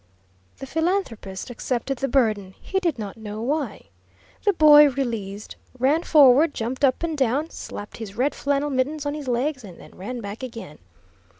The philanthropist accepted the burden he did not know why. The boy, released, ran forward, jumped up and down, slapped his red flannel mittens on his legs, and then ran back again.